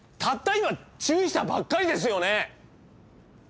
たった今注意したばっかりですよね！？